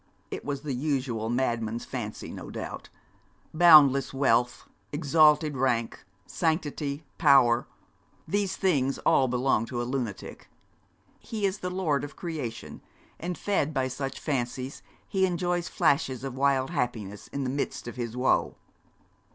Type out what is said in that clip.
It was the usual madman's fancy, no doubt. Boundless wealth, exalted rank, sanctity, power these things all belong to the lunatic. He is the lord of creation, and, fed by such fancies, he enjoys flashes of wild happiness in the midst of his woe.